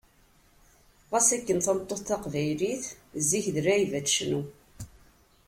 Ɣas akken tameṭṭut taqbaylit zik d lɛib ad tecnu.